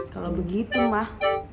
kalau begitu mah